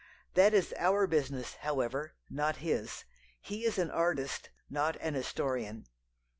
That is our business, however, not his. He is an artist, not an historian.